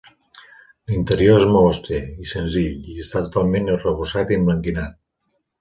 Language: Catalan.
L'interior és molt auster i senzill i està totalment arrebossat i emblanquinat.